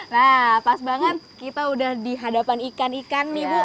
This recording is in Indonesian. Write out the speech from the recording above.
nah pas banget kita udah di hadapan ikan ikan nih bu